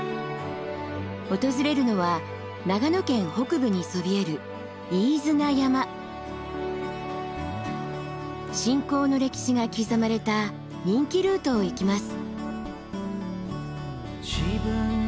訪れるのは長野県北部にそびえる信仰の歴史が刻まれた人気ルートを行きます。